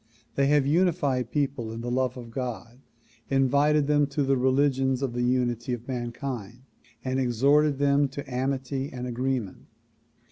They have united people in the love of God, invited them to the religions of the unity of mankind and exhorted them to amity and agreement.